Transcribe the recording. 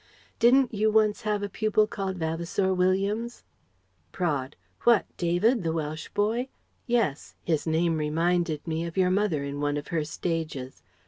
Didn't you once have a pupil called Vavasour Williams?" Praed: "What, David, the Welsh boy? Yes. His name reminded me of your mother in one of her stages.